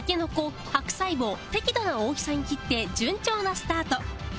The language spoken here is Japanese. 白菜を適度な大きさに切って順調なスタート